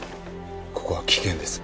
ここは危険です。